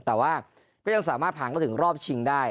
แต่ว่าก็ยังสามารถผ่านมาถึงรอบชิงได้